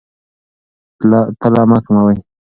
تله مه کموئ.